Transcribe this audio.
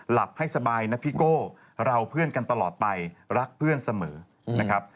หลับให้สบายนะพี่โก้เราเพื่อนกันตลอดไปรักเพื่อนเสมอนะครับ